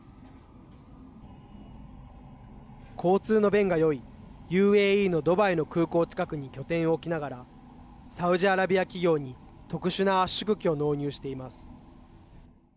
交通の便がよいＵＡＥのドバイの空港近くに拠点を置きながらサウジアラビア企業に特殊な圧縮機を納入しています。